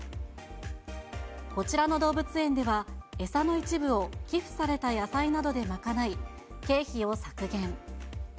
こちらの動物園では、餌の一部を寄付された野菜などで賄い、経費を削減。